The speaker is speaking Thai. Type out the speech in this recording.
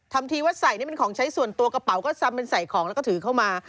ทำทีว่าใส่นี่เป็นของใช้ส่วนตัวกระเป๋าก็ซ้ำมันใส่ของแล้วก็ถือเข้ามา